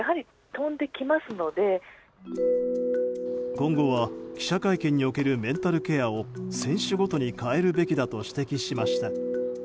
今後は記者会見におけるメンタルケアを選手ごとに変えるべきだと指摘しました。